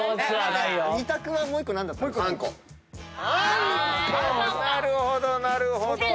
なるほどなるほど。